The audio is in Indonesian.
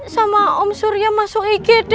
sama om surya masuk igd